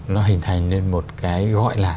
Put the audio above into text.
nó hình thành nên một cái gọi là